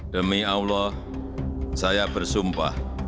demi allah saya bersumpah